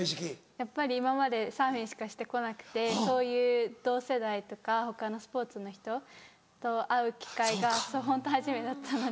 やっぱり今までサーフィンしかして来なくてそういう同世代とか他のスポーツの人と会う機会がホント初めてだったので。